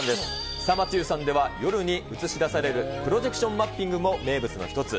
久松湯さんは夜に映し出される、プロジェクションマッピングも名物の一つ。